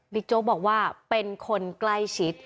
โจ๊กบอกว่าเป็นคนใกล้ชิด